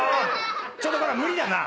ちょっとこれ無理だな。